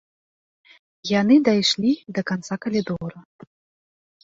Яны дайшлі да канца калідора.